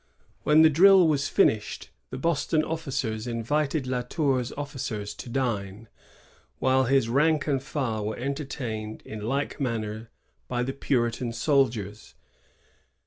When the drill was finished, the Boston officers invited La Tour's officers to dine, while his rank and file were entertained in like manner by the Puritan soldiers.